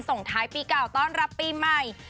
ส่งท้ายปีเก่าต้อนรับปีใหม่